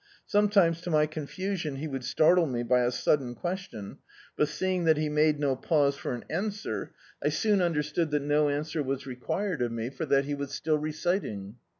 Sometimes to my confu^on he would startle me by a sudden question, but seeing that he made no pause for an answer, I soon understood that Dictzed by Google A Da]r*s Companion no answer was required of me, for that he was still reciting.